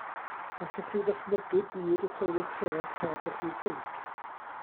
A allwch chi ddychmygu byd y tylwyth teg heb y lliw pinc?